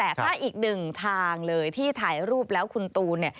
แต่ถ้าอีกหนึ่งทางเลยที่ถ่ายรูปแล้วคุณตูนเนี่ย